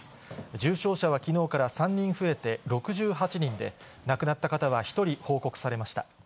重症者はきのうから３人増えて６８人で、亡くなった方は１人報告されました。